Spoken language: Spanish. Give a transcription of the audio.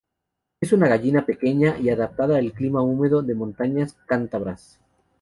Es una gallina pequeña y adaptada al clima húmedo de las montañas cántabras.